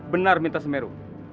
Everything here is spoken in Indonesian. benar mita semeru